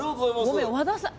ごめん和田さん。